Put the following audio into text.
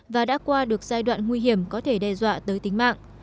và đã qua được giai đoạn nguy hiểm có thể đe dọa tới tính mạng